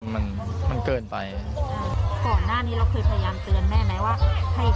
ก่อนหน้านี้เราเคยพยายามเตือนแม่ไหมว่า